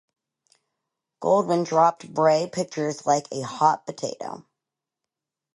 Goldwyn dropped Bray Pictures like a hot potato.